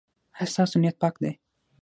ایا ستاسو نیت پاک دی؟